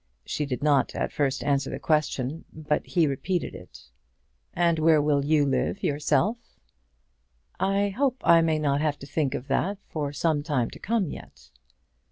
She did not at first answer the question; but he repeated it. "And where will you live yourself?" "I hope I may not have to think of that for some time to come yet."